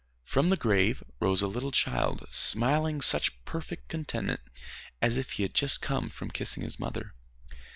From the grave rose a little child, smiling such perfect contentment as if he had just come from kissing his mother.